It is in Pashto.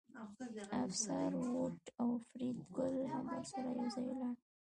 افسر ووت او فریدګل هم ورسره یوځای لاړ